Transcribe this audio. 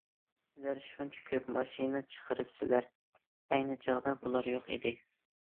سىلەر شۇنچە كۆپ ماشىنا چىقىرىپسىلەر، ئەينى چاغدا بۇلار يوق ئىدى.